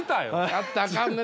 やったあかんな